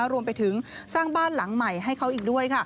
รวมไปถึงสร้างบ้านหลังใหม่ให้เขาอีกด้วย